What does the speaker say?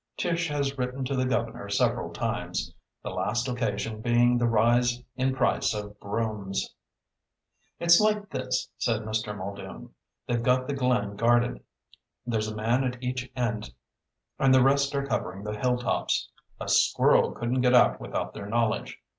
Tish has written to the governor several times, the last occasion being the rise in price of brooms. "It's like this," said Mr. Muldoon. "They've got the glen guarded. There's a man at each end and the rest are covering the hilltops. A squirrel couldn't get out without their knowledge.